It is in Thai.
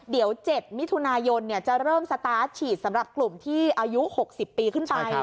เดี๋ยว๗มิถุนายนจะเริ่มสตาร์ทฉีดสำหรับกลุ่มที่อายุ๖๐ปีขึ้นไป